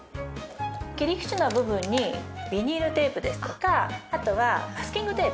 切り口の部分にビニールテープですとかあとはマスキングテープ。